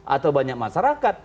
atau banyak masyarakat